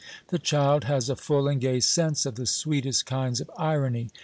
The child has a full and gay sense of the sweetest kinds of irony.